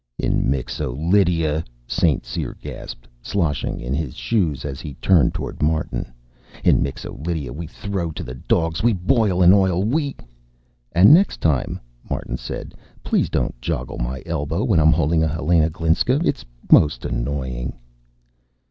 "In Mixo Lydia," St. Cyr gasped, sloshing in his shoes as he turned toward Martin, "in Mixo Lydia we throw to the dogs we boil in oil we " "And next time," Martin said, "please don't joggle my elbow when I'm holding a Helena Glinska. It's most annoying."